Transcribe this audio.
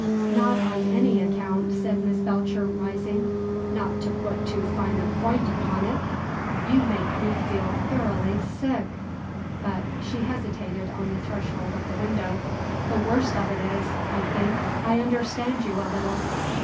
"Not on any account," said Miss Belcher, rising. "Not to put too fine a point upon it, you make me feel thoroughly sick; but" she hesitated on the threshold of the window" the worst of it is, I think I understand you a little."